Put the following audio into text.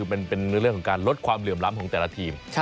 เป็นเรื่องของการลดความเหลื่อมล้ำของแต่ละทีม